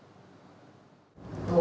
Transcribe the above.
どう？